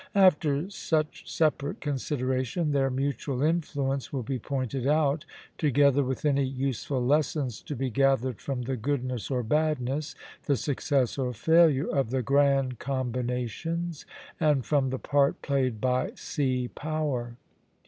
After such separate consideration their mutual influence will be pointed out, together with any useful lessons to be gathered from the goodness or badness, the success or failure, of the grand combinations, and from the part played by sea power.